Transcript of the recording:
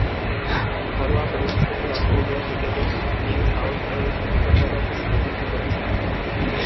ঘরোয়া প্রথম-শ্রেণীর অস্ট্রেলীয় ক্রিকেটে নিউ সাউথ ওয়েলস ক্রিকেট দলের প্রতিনিধিত্ব করেছেন।